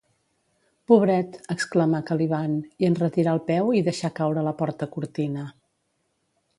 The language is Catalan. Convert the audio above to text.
Pobret! —exclamà Caliban, i enretirà el peu i deixà caure la porta-cortina.